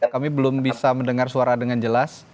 kami belum bisa mendengar suara dengan jelas